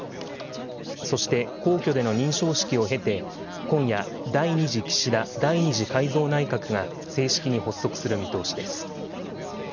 そして、皇居での認証式を経て、今夜、第２次岸田第２次改造内閣が正式に発足する見通しです。